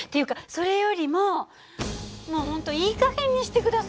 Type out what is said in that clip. それよりももう本当いい加減にして下さい。